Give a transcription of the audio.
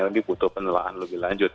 ini butuh penelaan lebih lanjut